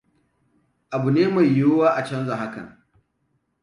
Abu ne mai yuwuwa a canza hakan.